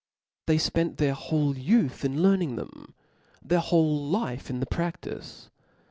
They fpent theirtmas. whole youth in learning them, their whole life in the pradice.